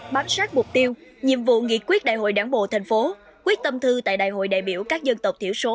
bán sát mục tiêu nhiệm vụ nghị quyết đại hội đảng bộ tp hcm quyết tâm thư tại đại hội đại biểu các dân tộc thiểu số